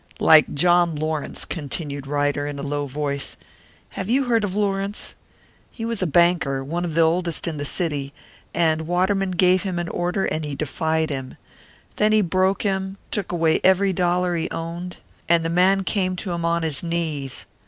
"Like John Lawrence," continued Ryder, in a low voice. "Have you heard of Lawrence? He was a banker one of the oldest in the city. And Waterman gave him an order, and he defied him. Then he broke him; took away every dollar he owned. And the man came to him on his knees.